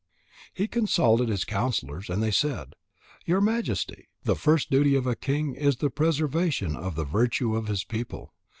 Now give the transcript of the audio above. He consulted his counsellors, and they said: "Your Majesty, the first duty of a king is the preservation of the virtue of his people.